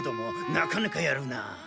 なかなかやるなあ。